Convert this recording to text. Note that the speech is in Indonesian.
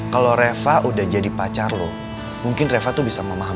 kalau reva udah jadi pacar loh mungkin reva tuh bisa memahami